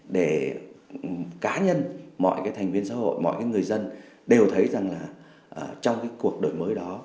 để cá nhân mọi cái thành viên xã hội mọi người dân đều thấy rằng là trong cái cuộc đổi mới đó